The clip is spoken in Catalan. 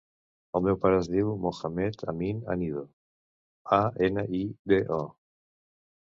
El meu pare es diu Mohamed amin Anido: a, ena, i, de, o.